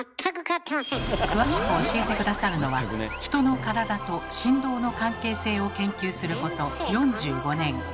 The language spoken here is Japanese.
詳しく教えて下さるのはヒトの体と振動の関係性を研究すること４５年。